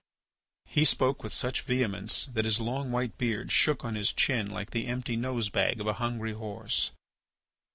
He spoke with such vehemence that his long white beard shook on his chin like the empty nose bag of a hungry horse.